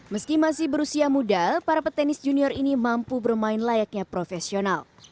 meski masih berusia muda para petenis junior ini mampu bermain layaknya profesional